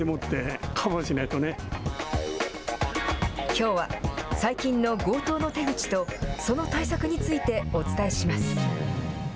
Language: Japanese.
きょうは、最近の強盗の手口と、その対策についてお伝えします。